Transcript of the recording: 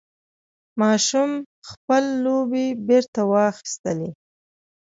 ماشوم خپل لوبعې بېرته واخیستلې.